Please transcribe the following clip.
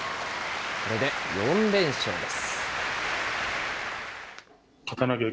これで４連勝です。